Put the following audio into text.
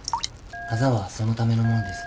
あざはそのためのものです。